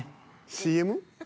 ＣＭ？